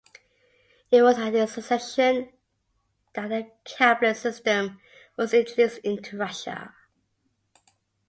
It was at his suggestion that the cabinet system was introduced into Russia.